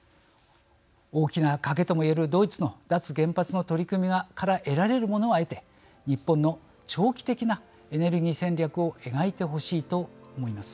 大きな賭けとも言えるドイツの脱原発の取り組みから得られるものは得て日本の長期的なエネルギー戦略を描いてほしいと思います。